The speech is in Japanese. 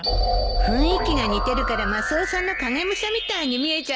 雰囲気が似てるからマスオさんの影武者みたいに見えちゃったのよ。